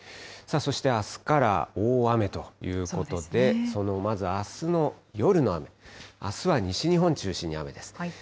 そしてあすから大雨ということで、その、まずあすの夜の雨、あすは西日本を中心に雨です。